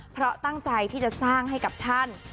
เพราะตั้งใจที่จะสร้างให้กับท่าน